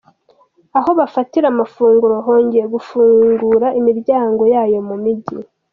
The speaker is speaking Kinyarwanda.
Ahobafatira Amafunguro hongeye gufungura imiryango yayo Mumigi